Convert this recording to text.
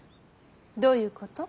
どういうこと？